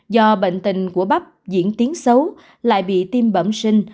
do bệnh tình của bắp diễn tiếng xấu lại bị tim bẩm sinh